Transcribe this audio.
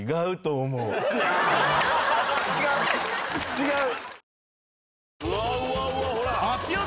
違う？